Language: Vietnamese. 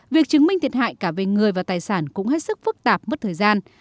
việc chứng minh thiệt hại cả về người và tài sản cũng hết sức phức tạp mất thời gian